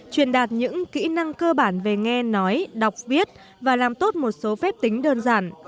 truyền đạt những kỹ năng cơ bản về nghe nói đọc viết và làm tốt một số phép tính đơn giản